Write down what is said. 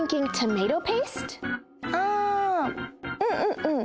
あうんうんうん。